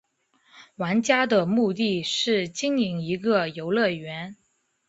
玩家的目的是经营一个游乐园。